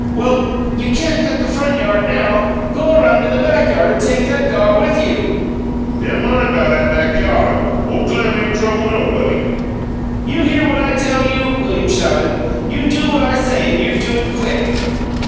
"Well, you can't cut the front yard now. Go around in the back yard and take that dog with you." "Nemmine 'bout 'at back yod! Ole Clem ain' trouble nobody." "You hear what I tell you?" William shouted. "You do what I say and you do it quick!"